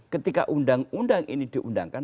ketika undang undang ini diundangkan